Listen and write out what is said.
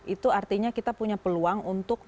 itu artinya kita punya peluang untuk